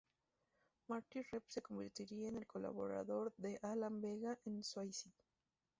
Martin Rev se convertiría en el colaborador de Alan Vega en Suicide.